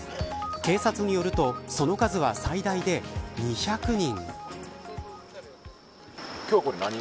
警察によるとその数は最大で２００人。